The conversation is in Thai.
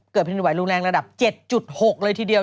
แผ่นดินไหวรุนแรงระดับ๗๖เลยทีเดียว